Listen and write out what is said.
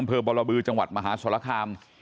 อำเภอบาลาบือจังหวัดมหาสรคาม